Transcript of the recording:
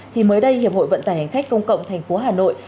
thì mới đây hiệp hội vận tải hành khách công cộng thành phố hà nội